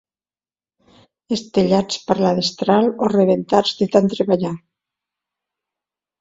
Estellats per la destral o rebentats de tant treballar.